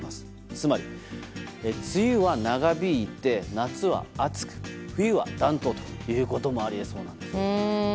つまり、梅雨は長引いて夏は暑く冬は暖冬ということもあり得そうなんです。